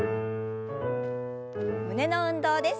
胸の運動です。